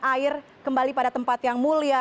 air kembali pada tempat yang mulia